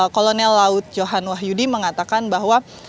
kolonel laut johan wahyudi mengatakan bahwa